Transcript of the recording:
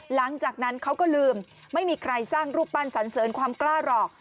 หลังจากนั้นเขาก็ลืมไม่มีใครสร้างรูปปั้นสันเสริญความกล้าหรอก